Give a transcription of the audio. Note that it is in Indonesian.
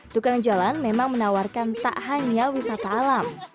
tukang jalan memang menawarkan tak hanya wisata alam